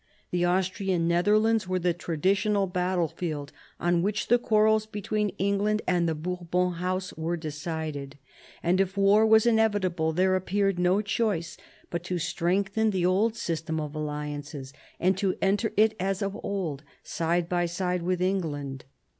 The Austrian Netherlands were the traditional battlefield on which the quarrels between England and the Bourbon House were decided. And if war was inevitable there appeared no choice but to strengthen the old system of alliances, and to enter it as of old, side by side wUh England